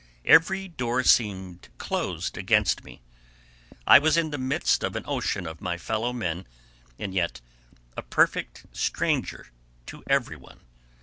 Every door seemed closed against me. I was in the midst of an ocean of my fellow men, and yet a perfect stranger to every one.